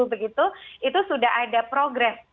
begitu itu sudah ada progres